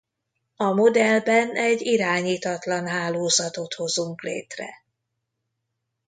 A modellben egy irányítatlan hálózatot hozunk létre.